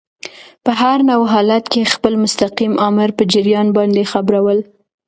په هر نوع حالت کي خپل مستقیم آمر په جریان باندي خبرول.